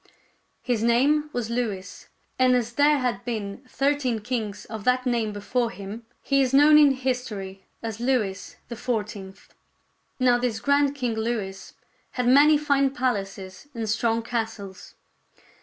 His name was Louis, and as there had been thirteen kings of that name before him, he is known in history as Louis the Fourteenth. Now this grand King Louis had many fine palaces and 'strong castles.